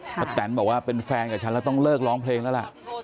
แตนบอกว่าเป็นแฟนกับฉันแล้วต้องเลิกร้องเพลงแล้วล่ะ